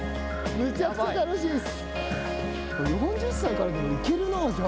むちゃくちゃ楽しいっす。